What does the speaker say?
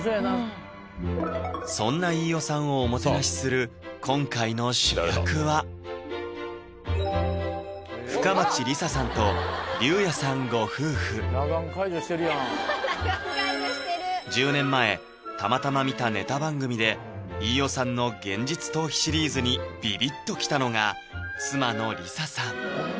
そんな飯尾さんをおもてなしする今回の主役は深町理沙さんと竜哉さんご夫婦裸眼解除してるやん１０年前たまたま見たネタ番組で飯尾さんの「現実逃避シリーズ」にビビッと来たのが妻の理沙さん